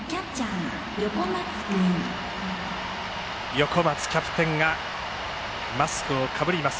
横松キャプテンがマスクをかぶります。